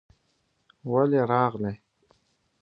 ولې راغلې؟